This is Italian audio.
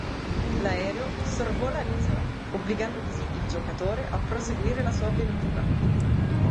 L'aereo sorvola l'isola, obbligando così il giocatore a proseguire la sua avventura.